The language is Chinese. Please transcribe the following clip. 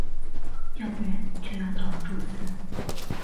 要不然就要到周四